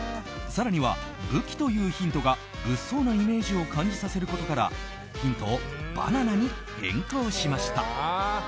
更には武器というヒントが物騒なイメージを感じさせることからヒントをバナナに変更しました。